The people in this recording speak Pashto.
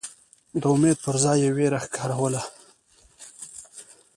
د امید پر ځای یې وېره ښکاروله.